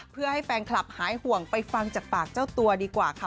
เพื่อให้แฟนคลับหายห่วงไปฟังจากปากเจ้าตัวดีกว่าค่ะ